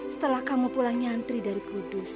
setelah kamu pulang nyantri dari kudus